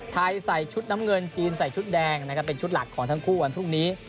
ใส่ชุดน้ำเงินจีนใส่ชุดแดงนะครับเป็นชุดหลักของทั้งคู่วันพรุ่งนี้